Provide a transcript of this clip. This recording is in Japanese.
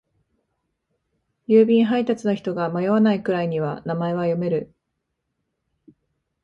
郵便配達の人が迷わないくらいには名前は読める。